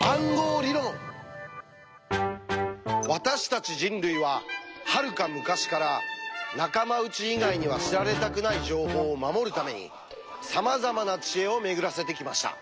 私たち人類ははるか昔から仲間内以外には知られたくない情報を守るためにさまざまな知恵を巡らせてきました。